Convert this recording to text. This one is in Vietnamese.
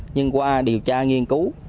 nhưng qua điều tra nghiên cứu